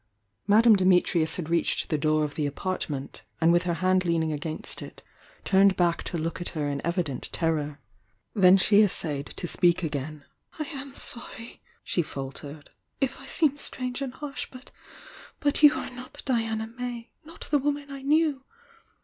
Madame Dimiliius had reached 316 THE YOUNG DIANA the door of the apartment, and with her hand lean ing against it turned back to look at her in evident terror. Then she essayed to speak again. "I am sorry," she faltered— "if I seem strange and harsh— but— but you are not Diana May— not the woman I knew!